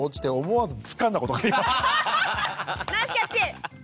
ナイスキャッチ！